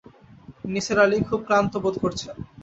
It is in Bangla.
নিসার আলি খুব ক্লান্ত বোধ করছেন।